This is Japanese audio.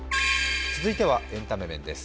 続いてはエンタメ面です。